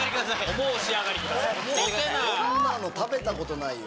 こんなの食べたことないよ。